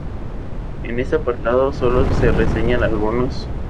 En este apartado sólo se reseñan algunos.